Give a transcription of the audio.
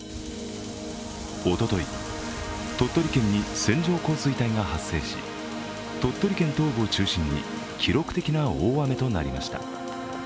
おととい、鳥取県に線状降水帯が発生し鳥取県東部を中心に記録的な大雨となりました